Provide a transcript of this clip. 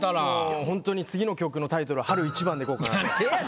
もうほんとに次の曲のタイトルは「春一番」でいこうかなと。